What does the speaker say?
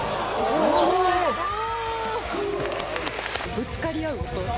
ぶつかり合う音。